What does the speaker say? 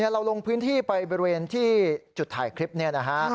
เราลงพื้นที่ไปบริเวณที่จุดถ่ายคลิปนี้นะฮะ